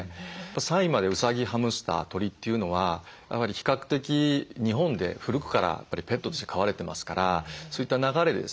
３位までうさぎハムスター鳥というのは比較的日本で古くからペットとして飼われてますからそういった流れでですね